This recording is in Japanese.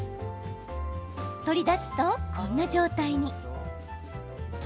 取り出すと、こんな状態に。